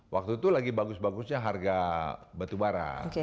waktu itu lagi bagus bagusnya harga batu bara